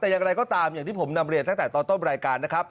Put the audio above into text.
อย่างที่ผมนำเรียนตั้งแต่ตอนต้นรายการ